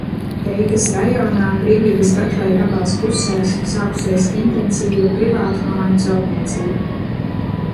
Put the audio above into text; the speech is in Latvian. Teikas rajonā, Brīvības gatvei abās pusēs, sākusies intensīva privātmāju celtniecība.